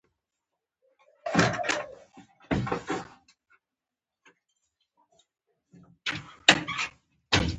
زه خپل ملګري ته لیک لیکم.